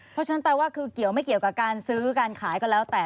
เพราะฉะนั้นแปลว่าคือเกี่ยวไม่เกี่ยวกับการซื้อการขายก็แล้วแต่